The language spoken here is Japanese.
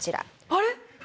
あれ？